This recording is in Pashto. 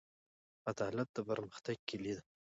عدالت د پرمختګ کیلي ده.